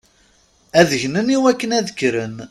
Ad gnen iwakken ad kkren.